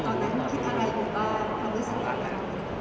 ตอนนั้นคิดอะไรอยู่บ้างความรู้สึกแบบ